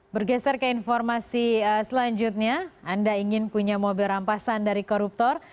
bergeser ke informasi selanjutnya anda ingin punya mobil rampasan dari koruptor